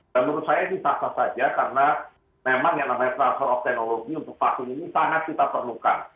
dan menurut saya ini sah sah saja karena memang yang namanya transfer of technology untuk vaksin ini sangat kita perlukan